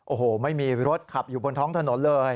โอ้โหไม่มีรถขับอยู่บนท้องถนนเลย